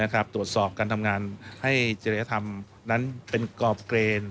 ตรวจสอบการทำงานให้เจริยธรรมนั้นเป็นกรอบเกรน